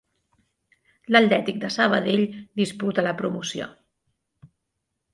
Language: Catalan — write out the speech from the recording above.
L'Atlètic de Sabadell disputa la promoció.